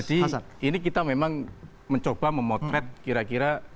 jadi ini kita memang mencoba memotret kira kira